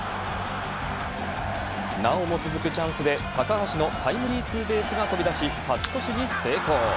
なおも続くチャンスで高橋のタイムリーツーベースが飛び出し、勝ち越しに成功。